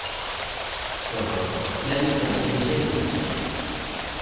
そろそろピラミッドの入り口へ向かいましょう。